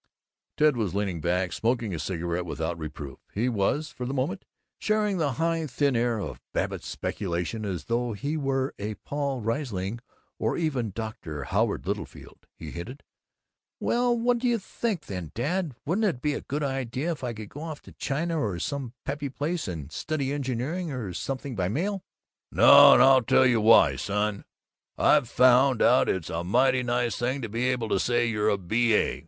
Ted was leaning back, smoking a cigarette without reproof. He was, for the moment, sharing the high thin air of Babbitt's speculation as though he were Paul Riesling or even Dr. Howard Littlefield. He hinted: "Well, what do you think then, Dad? Wouldn't it be a good idea if I could go off to China or some peppy place, and study engineering or something by mail?" "No, and I'll tell you why, son. I've found out it's a mighty nice thing to be able to say you're a B.A.